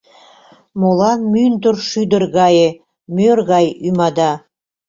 Молан мӱндыр шӱдыр гае мӧр гай ӱмада?